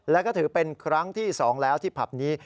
และก็ถือเป็นครั้งที่๒แล้วที่ผับนี้